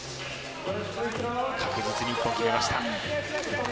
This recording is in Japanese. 確実に１本決めました。